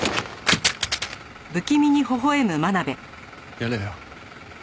やれよ。